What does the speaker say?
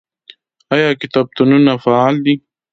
آیا کتابتونونه فعال دي؟